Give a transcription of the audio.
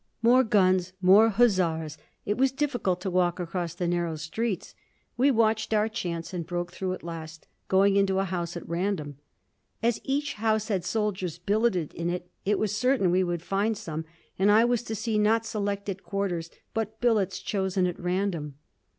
More guns, more hussars. It was difficult to walk across the narrow streets. We watched our chance and broke through at last, going into a house at random. As each house had soldiers billeted in it, it was certain we would find some, and I was to see not selected quarters but billets chosen at random.